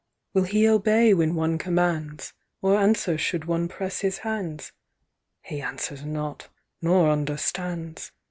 "Will he obey when one commands? Or answer should one press his hands? He answers not, nor understands.